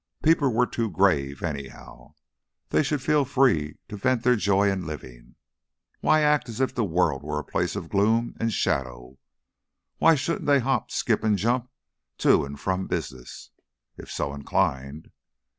People were too grave, anyhow. They should feel free to vent their joy in living. Why act as if the world were a place of gloom and shadow? Why shouldn't they hop, skip, and jump to and from business, if so inclined?